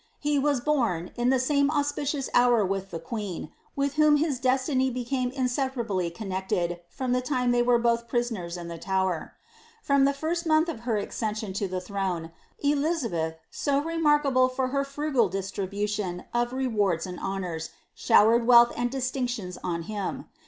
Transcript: He was born, in tlie same auspicious hour with the queen, with whom his destiny became inseparably connected from the time they were both prisoners in the Tower.' From Uie iirst month of her accession to the throne, Elizabeth, so remarkable for her frugal distribution of rewards and honours, showered wealth and distinctions on him.